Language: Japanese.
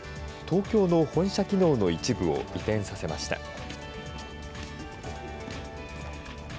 東京の本社機能の一部を移転させました。